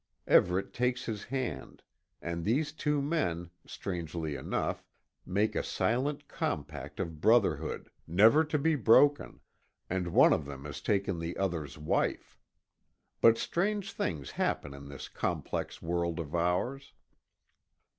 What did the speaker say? Everet takes his hand, and these two men, strangely enough, make a silent compact of brotherhood, never to be broken and one of them has taken the other's wife. But strange things happen in this complex world of ours.